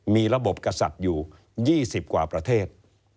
มีระบบกษัตริย์อยู่๒๐กว่าประเทศ